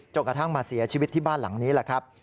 กระทั่งมาเสียชีวิตที่บ้านหลังนี้แหละครับ